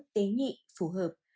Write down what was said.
tế nhị phù hợp